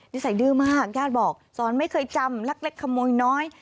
สดื้อมากญาติบอกสอนไม่เคยจำลักเล็กขโมยน้อย